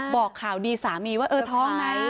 บอกข่าวดีสามีว่าพร้องไง